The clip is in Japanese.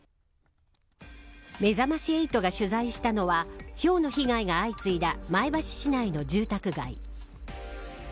めざまし８が取材したのはひょうの被害が相次いだ前橋市内の住宅街。